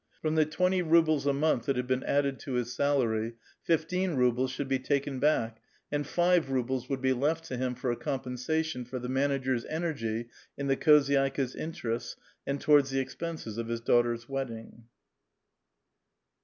From the twenty rubles a month that had been added to his sahirv, fifteen rubles should be taken back and five ruhles wt»uld be left to him for a compensation for the manager's energy in the khozydikii's interests and towaixls the expenses of his daughter's wedding.